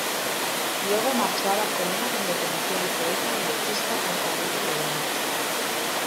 Luego marchó a Barcelona donde conoció al poeta y letrista Rafael de León.